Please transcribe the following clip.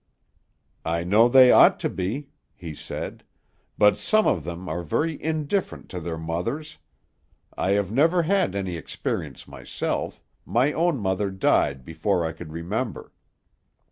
"I know they ought to be," he said; "but some of them are very indifferent to their mothers. I have never had any experience myself; my own mother died before I could remember."